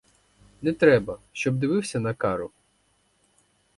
Не треба, щоб дивився на кару.